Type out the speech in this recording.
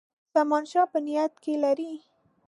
زمانشاه په نیت کې لري.